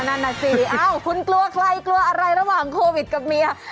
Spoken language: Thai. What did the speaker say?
นั่นน่ะสิเอ้าคุณกลัวใครกลัวอะไรระหว่างโควิดกับเมีย